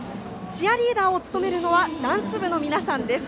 チアリーダーを務めるのはダンス部の皆さんです。